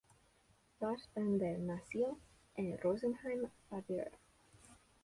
Lars Bender nació en Rosenheim, Baviera.